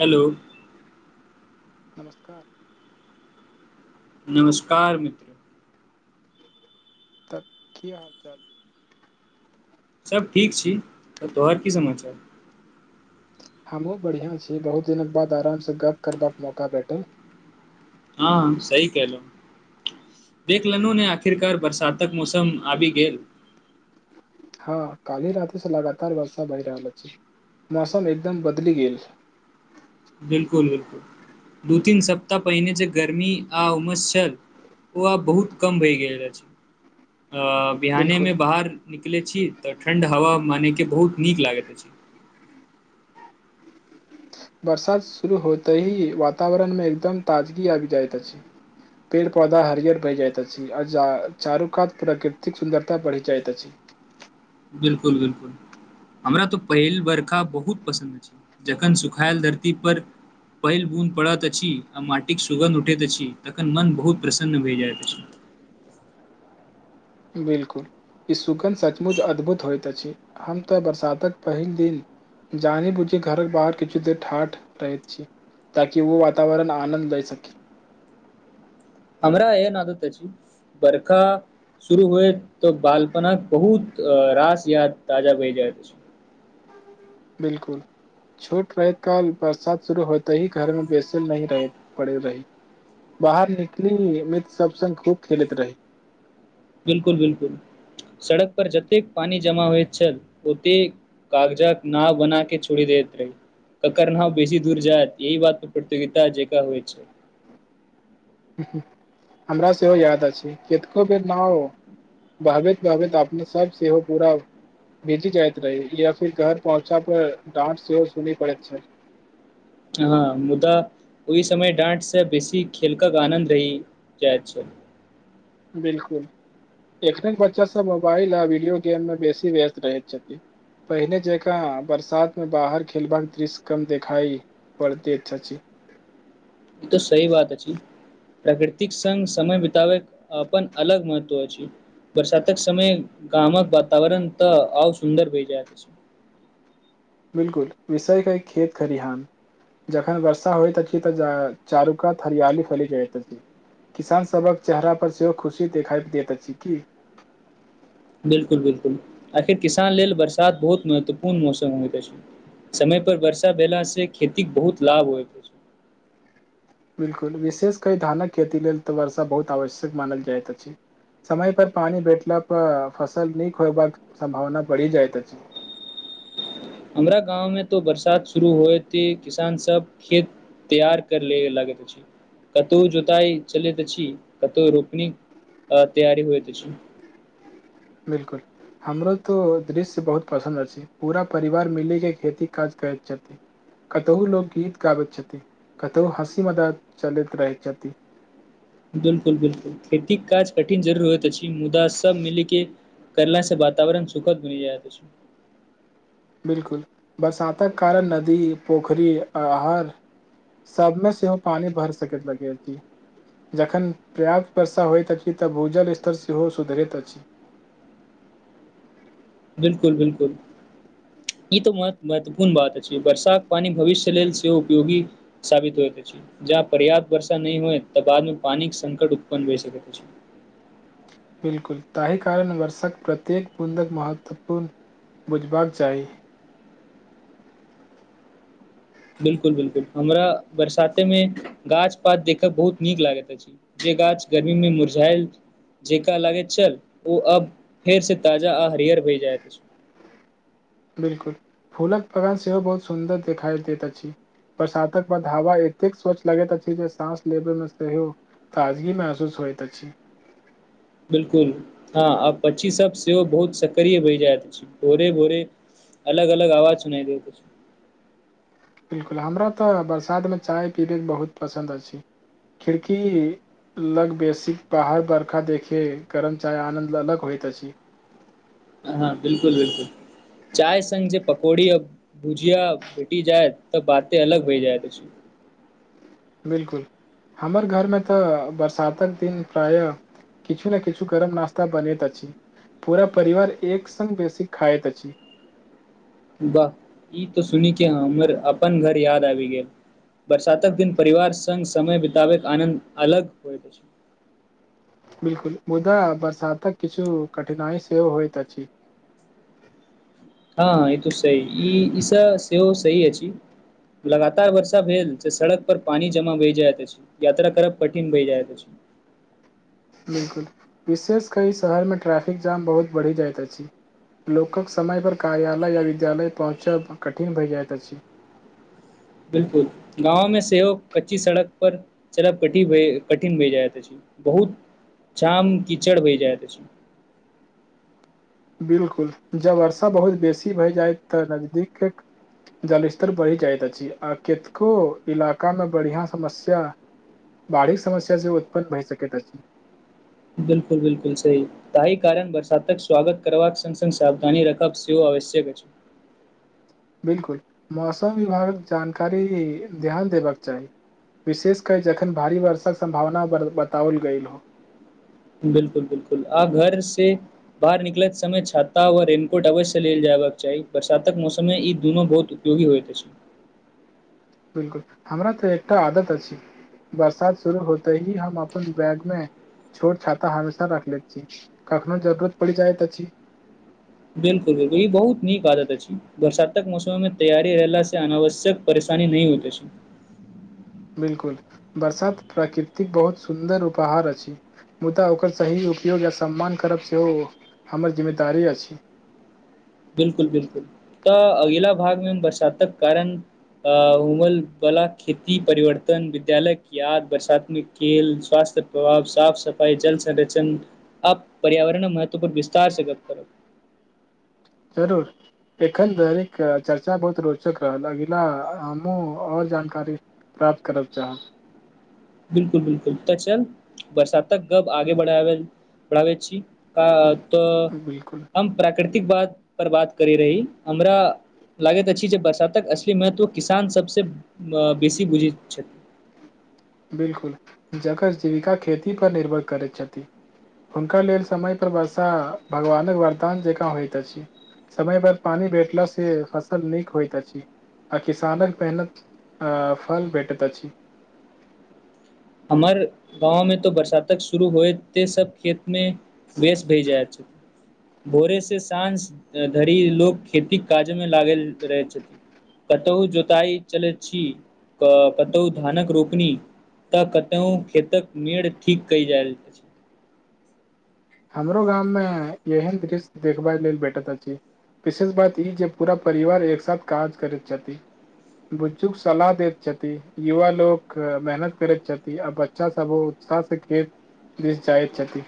Hello! नमस्कार! नमस्कार मित्र! तऽ की हाल चाल? सब ठीक छी, तोहर की समाचार? हमहुँ बढियाॅं छी, बहुत दिनक बाद आराम सँ गप करबाक मौका भेटल। हँ सही कहलहुॅं। देख लेलहु ने, आखिरकार बरसातक मौसम आबि गेल। हँ, काल्हि राति से लगातार वर्षा भए रहल अछि, मौसम एकदम बदलि गेल। 'बिलकुल'- 'बिलकुल' दू तीन सप्ताह पहिने जे गरमी आ उमस छल। ओ आब बहुत कम भए गेल अछि। आ बिहाने बिलकुल मे बाहर निकलै छी तऽ, ठण्ड हवा मानै के बहुत नीक लागैत अछि। बरसात शुरू होएतहि, वातावरणमे एकदम ताजगी आबि जाायत अछि। पेड़-पौधा हरियर भए जायत अछि, आ चारू कात प्रकृतिक सुन्दरता बढ़ि जायत अछि। 'बिल्कुल'- 'बिलकुल'। हमरा तऽ पहिल बर्खा बहुत पसन्द अछि, जखन सुखायल धरती पर। पहिल बून्द पड़त अछि, आ माटिक सुगन्ध उठैत अछि, तखन मन बहुत प्रसन्न भए जाइत अछि। बिलकुल, इ सुगन्ध सचमुच अद्भुत होयत अछि हम तऽ बरसातक पहिल दिन जानि बुझि घरक बाहर किछु देर ठाढ़ रहै छी। ताकि वो वातावरण आनन्द दैए सकी। हमरा एहन आदत अछि, बरका शुरू हुए तऽ बालपना बहुत अ रास याद ताजा भए जायत छै। बिल्कुल। छोट रहैत काल बरसात शुरू होतयहि, घर में बैसल नै रहै पड़ि रही। बाहर निकलि, मित्र सब संग खूब खेलैत रही। बिल्कुल- बिल्कुल, सड़क पर जतेक पानी जमा होइत छल ओतेक कागजक नाव बना के छोड़ि देैत रही। ककर नाव बेसी दूर जायत, एहि बात पर प्रतियोगिता जेकाँ होइ छै। उ-हु, हमरा सेहो याद अछि, केतको बेर नाव भागैत- भहवैत अपने सब सेहो पूरा अब भीजी जायइत रही, इ आखिरकार पहुँचा पर डाँट सेहो सुनी पड़ैत छै। हँ, मुदा ओहि समय डाँट सँ बेसी खेलकक आनन्द रहि जाइत छै। बिल्कुल, एखन बच्चा सब मोबाइल आ वीडियो गेममे बेसी व्यस्त रहैत छथिन। पहिनेे जकाँ बरसात मे बाहर खेलबाके दृश्य कम देखाई पढ़ते टा छी। ई त सही बात अछि। प्रकृतिक संग समय बिताबैत, अप्पन अलग महत्व अछि। बरसातक समय गामक वातावरण त, आउ सुन्दर भै जाय छै। बिल्कुल, विषयकेै खेत खरिहान जखन वर्षा होइत अछि तऽ चारू कात हरियाली फैलि जाइत अछि। किसान सभहक चेहरा पर सेहो खुशी देखाय दैत अछि। की बिल्कुल- बिल्कुल, आखिर किसान लेल बरसात बहुत महत्वपूर्ण मौसम होइत अछि। समय पर वर्षा भेला से खेतीक बहुत लाभ होय। बिल्कुल, विशेष कै धानक खेती लेल तऽ वर्षा बहुत आवश्यक मानल जाइत अछि। समय पर पानी भेठला पर, फसल निक होयबाक सम्भावना बढ़ि जायइत अछि। हमरा गाँव में तो बरसात शुरू होएथी किसान सब खेत तियार कर ले लागेत अछि। कतहु जोताई चलैत अछि, कतौ रोपनी अ तैयारी होइत अछि। बिल्कुल। हमरो तो ओ दृश्य बहुत पसन्द अछि, पूरा परिवार मिली के खेती काज करैत छथि। कतहु लोकगीत गाबै छथि, कतहु हँसी मजाक चलैत रहै छथि। बिल्कुल- बिल्कुल, खेतीक काज कठिन जरुर होइत अछि, मुदा सब मिली के करला से वातवरण सुखद बनि जायत अछि। बिल्कुल, बरसातक कारण नदी, पोखरि, आहार सबमे सेहो पानी भर सकैत लगैति। जखन पर्याप्त वर्षा होइत अछि, तऽ भूजल स्तर सेहो सुधरैत अछि। बिल्कुल- बिल्कुल। ई तो म महत्वपूर्ण बात अछि, वर्षाक पानी भविष्य लेल सेहो उपयोगी साबित होइत अछि। जहाॅ पर्याप्त वर्षा नहि होइ, त बादमे पानी संकट उत्पन्न भइ सकेत अछि। बिल्कुल, ताहि कारण वर्षक प्रत्येक बूदक महत्वपूर्ण बुझबाक चाही। 'बिल्कुल'- 'बिलकुल' हमरा बरसाते मे, गाछ पात देखय बहुत नीक लागैत अछि। जे गाछ गर्मी मे मुरझाल जेका लागे छल, ओ अब फेर से ताजा आ हरियर होए जायत छय। 'बिलकुल'! फूलक बगान सेहो बहुत सुन्दर देखाई देैत अछि। बरसातक बाद, हवा एतेक स्वचछ लगैत अछि जे, साँस लेबे मे सेहो ताजगी महसूस होइत अछि। 'बिलकुल! ' हँ आ पक्षी सब सेहो बहुत सक्रिय बहि जायत अछी, भोरे -भोरे अलग- अलग अवाज सुनाय दैत छिअ। 'बिलकुल'! हमरा तऽ बरसातमे चाय पीबैके बहुत पसन्द अछि, खिड़की लग बेसी बाहर बर्खा देखे, गरम चाहक आनन्द अलग होइत अछि। हँ, बिल्कुल -बिलकुल! चाय संग जे पकौड़ी, आ भुजिया भेटी जाय तऽ बाते अलग होय जायइ अछि। बिलकुल! हमर घरमे तऽ बरसातक दिन प्रायः किछु ने किछु गरम नास्ता बनैत अछि, जे पूरा परिवार एक सङ् बेसी खायइत अछि। वाह! ई त सुन के हमर अपन घर याद आबि गेल। बरसातक दिन परिवार सङ्ग समय बिताबैके आनन्द अलग होइत अछि। बिलकुल! मुदा बरसातक किछु कठिनाइ सेहो होइत अछि। हाँ, ई तऽ सही, ई ईसभ सेहो सही अछि। लगातार वर्षा भेला से, सड़क पर पानी जमा बहि जायइत अछि। यात्रा करब कठिन भइ जाइत अछि। बिलकुल! विशेष क ई शहरमे ट्रैफिक जाम बहुत बढ़ि जाइत अछि। लोकक समय पर, कार्यालय या विद्यालय पहुँचब कठिन भऽ जाइत अछि। 'बिलकुल'! गाँंव में सेहो कच्ची सड़क पर चलब, क कठिन भए जायत अछि। बहुत जाम कीचड़ बह जायइत अछि। 'बिलकुल'! जब वर्षा बहुत बेसी भय जाय तऽ नजदीकक जल स्तर बढ़ि जाइत अछि, आ कतको इलाकामे बढ़िआँ समस्या बढ़ीक समसा सेहो उत्पन्न भइ सकैत अछि। बिलकुल- बिलकुल! सही तैहि कारण बरसातक स्वगत करवा, संग -संग सावधानी राखब सेहोव आवश्यक अछि। 'बिलकुल'! मौसम विभागक जानकारी ध्यान देबाक चाही। विशेष क, जखन भारी वर्षाक सम्भावना बताओल गेल हो। बिलकुल- बिलकुल! आ घर से बाहर निकलैत समय छाता व रेननकोट अवश्य से लेल जयबाक चाही, बरसातक मौसम मे ई दुनू बहुत उयोगी होइत अछि। बिलकुल! हमरा तऽ एकटा आदत अछि। बरसात शुरू होतै ही, हम अपन बैग मे छोट छाता हमेशा रखले छी, कखनो जरुरत पड़ि जायत अछि। बिलकुल-बिलकुल! ई बहुत नीक आदत अछि, बरसातक मौसममे तैयारी रहला से, अनावश्यक परेशानी नहि होयत अछि। बिलकुल! बरसात प्राकृति बहुत सुन्दर उपहार अछि। मुदा ओकर सही उपयोग यऽ सम्मान करब, सेहो हमर जिम्मेदारी अछि। बिलकुल-बिलकुल! तऽ अगिला भागमे हम बरसातक कारण अ उमल बला खेती परिवर्तन, विद्यालय किए आ वसात्मिक केल स्वास्थ प्रभाव, साफ -सफाई जल संरक्षण आ पर्यावरण महत्व पर विस्तार से गप्प करब। जरूर! एखन धरिक चर्चा बहुत रोचक रहल, अगिला हमहु अ जानकारी प्राप्त करब चाहब। बिलकुल- बिलकुल तऽ चल बरसातक गप्प आगे बढ़ाबेल बढ़ाबै छी। अ तऽ बिल्कुल हम प्राकृतिक बात पर बात करै रही हमरा लागैत अछि, जे बरसातक असली महत्व, किसान सबसे बेसी बुझैत छथि। 'बिलकुल'! जेकर जीविका खेती पर निर्भर करैत छथि। हुनका लेल समयपर वर्षा भगवानक वरदान जेकाँ होइत अछि। समय पर पानी भेटला से, फसल नीक होइत अछि, आ किसानक मेहनत आ फल भेटत अछि। हर गाँंव में तो बरसातक शुरू होएते, सब खेत मे वेस भय जाय छैय। भोरे से साँझ धरि लोक खेती काज मे लागल रहै छथिन। कतहु जोताई चलैत छी, ते कतहु धानक रोपनी। तऽ कतौह खेतक मेड़ ठीक कय जायल अछि। हमरो गाम मे एहन दृश्य देखबा लेल भेटत अछि। विशेष बात ई, जे पूरा परिवार एक साथ काज करैत छथि। बुचुक सलाह दैत छथि, युवा लोक मेहनत करैत छथि, आ बच्चा सब सा सकेत देश जाय छथि।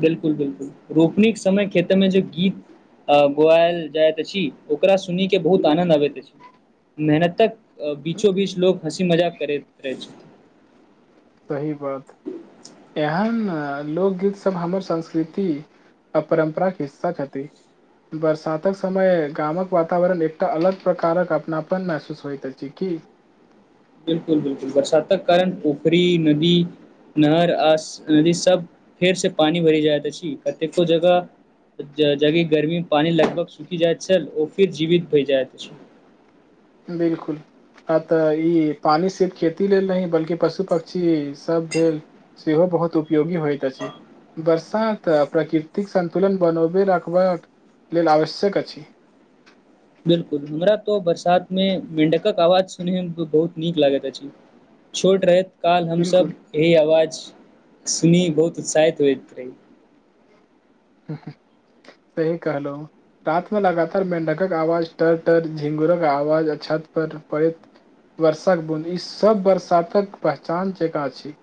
बिलकुल -बिलकुल! रोपनीे समय के खेतेमें जे गीत गैलजाइत अछि, ओकरा सुन के बहुत आनन्द आबैत अछि, मेहनतक अ बीचो -बीच लोक हँसी मजाक करैत रहै छथि। सही बात! एहन लोकगीत सब हमर संस्कृति आ परम्पराके हिस्सा छथि। बरसातक समय गामक वातावरण एकटा अलग प्रकारक अपनापन महसूस होइत अछि। की बिलकुल-बिल्कुल! बरसात तक कारण उखरी नदी नहर आस नदी सब फेर से पानी भरि जायत अछि। कतेको जगह जग गर्मी मे पानी लगभग सुखी जायत छल। ओ फिर जीवित भी जायइत अछी। बिलकुल। अ तऽ ई पानि सिर्फ खेती लेल नही, बल्कि पशु -पक्षी सब भेल। सेहो बहुत उपयोगी होइत अछि। बर्षा तऽ प्रकृतिक संन्तुलन बनबे रखबाक लेल आवश्यक अछि। बिल्कुल! हमरा तऽ बरसातमे मेडकक आवाज सुनैमे बहुत नीक लागैत अछि। छोट रहैत काल बिलकुल हमसभ एहि आवाज सुनी, बहुत उत्साहित होइत रही। सही कहलो। रात में लगातार मेंढ़कक आवाज टर- टर, झिंगरक आवाज अ छत पर पड़ैत वर्षाक बुद ई सब बरसातक पहचान जेकाँ छी।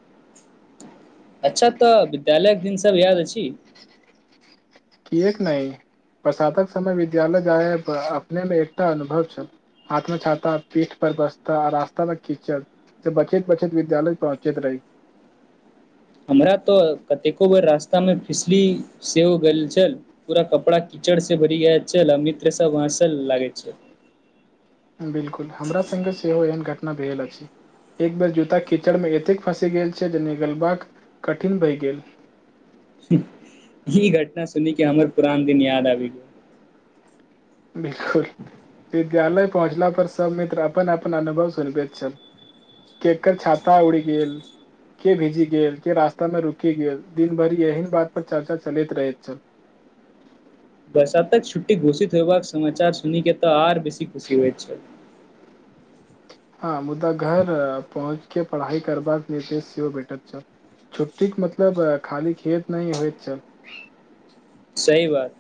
अच्छा! तऽ विद्यालयक दिन सब याद अछि? कियेक नहि, वर्षातक समय विद्यालय जायक, अपने मे एकटा अनुभव छल। हाथ मे छाता, पीठ पर बसता, रास्ता पर कीचड़। से बचैत -बचतैत विद्यालय पहुँचैत रही। हमरा तऽ, कतेको बेर रास्तामे फिसली सेहो गेल छल। पूरा कपड़ा कीचड़ से भरि गेल छैल, मित्रसभ हसं लागै छै। बिलकुल! हमरा सङ्गे सेहो एहन घटना भेल अछि। एक बेर जूता कीचड़ में एते फस गेल छल। जे नगलबाका कठिन भय गेल। ई घटना सुनी के हमर पुरान दिन याद आबि गेल। बिलकुल, विद्यालय पहुँचला पर सब मित्र अपन अपन अनुभव सुनबैत छथि। केकर छाता उरि गेल के भेजी गेल, के रास्ता में रुकि गेल, दिन भरि एहने बात पर चर्चा चलैत रहैत छथि। बरसातक छुट्टी घोषित होयबाक समाचार सुनि के तऽ आर बेसी खुशी होइत छै। हँ मुदा घर पहुँचके पढ़ाई करबाक निर्देश सेहो भेटैत छल। छुट्टी के मतलब खाली खेत नहि होइत छल। सही बात।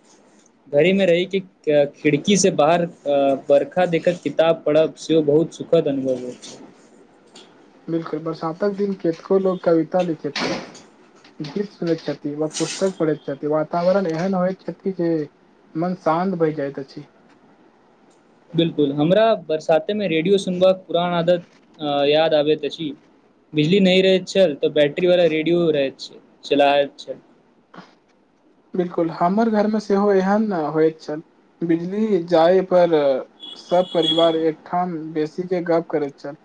घरहि में रही क खिड़की से बाहर बर्खा देख क किताब पढ़ब सेहो बहुत सुखद अनुभव होइछ। बिलकुल बरसातक दिन कतेको लोक कविता लिखैत छथि। गीत सुनैत छथि व पुस्तक पढ़ैत छथि, वातावरण एहन होइत छथि जे मन शान्त भय जाइत अछि। बिलकुल हमरा बरसातमे रेडियो सुनबाक पुरान आदत याद आबैत अछि। बिजली नहि रहे छल तऽ बैटरी वाला रेडियो रहैत छै, चलाबैत छल। बिलकुल हमर घरमे सेहो एहन होइत छल, बिजली जाय पर सब परिवार एकठाम बैसिके गप करैत छल।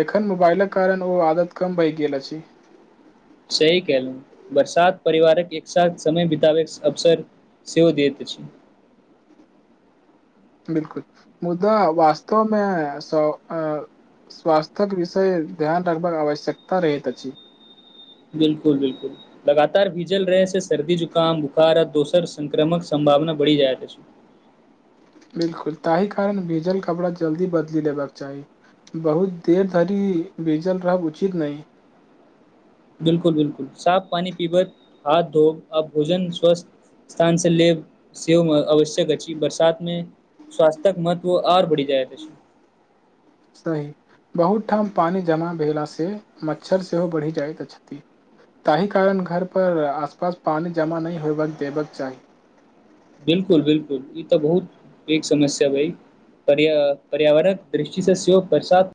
एखन मोबाइलक कारण ओ आदत कम भय गेल अछि। सही कहलहुं बरसात परिवारक एक साथ समय बिताबक अवसर सेहो दैत अछि। बिलकुल मुदा वास्तवमे स अ स्वास्थक विषय ध्यान रखबाक आवश्यकता रहैत अछि। बिल्कुल-बिल्कुल। लगातार भीजल रहै सं सर्दी, जुकाम, बुखार आ दोसर संक्रमक संभावना बढ़ि जायत अछि। बिलकुल ताहि कारण भीजल कपड़ा जल्दी बदलि लेबाक चाही। बहुत देर धरि भीजल रहब उचित नहि। बिलकुल बिलकुल साफ पानी पीबब, हाथ धोब आ भोजन स्वस्थ स्थान से लेब सेहो आवश्यक, बरसात मे स्वास्थ्यक महत्व और बढ़ि जायत अछि। सही, बहुत ठाम पानि जमा भेला से मच्छर सेहो बढ़ि जाइत अछि। ताहि कारण घर पर आसपास पानि जमा नैय होयब देबेक चाही। बिल्कुल बिलिकुल। ई तऽ बहुत पैघ समस्या भेल। पर्या -पर्यावरणक दृष्टि से सेहो बरसात